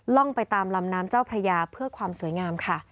ไปตามลำน้ำเจ้าพระยาเพื่อความสวยงามค่ะ